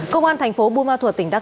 công an thành phố bu ma thuật tỉnh đắk kỳ